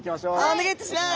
お願いいたします。